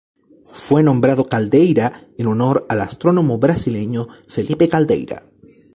Fue nombrado Caldeira en honor al astrónomo brasileño Felipe Caldeira.